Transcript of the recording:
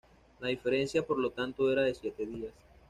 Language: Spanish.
La diferencia por lo tanto era de siete días.